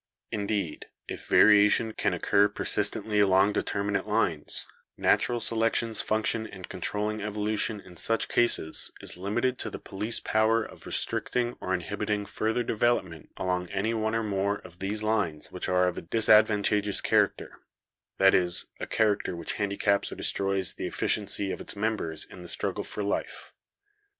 Indeed, if variation can occur persistently along determinate lines, natural selection's function in controlling evolution in such cases is limited to the police power of restricting or inhibiting further development along any one or more of these lines which are of a disadvantageous character; that is, a character which handicaps or destroys the efficiency of its mem bers in the struggle for life.